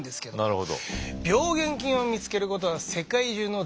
なるほど。